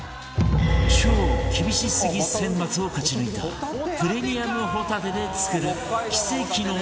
超厳しすぎ選抜を勝ち抜いたプレミアムホタテで作る奇跡の ＸＯ 醤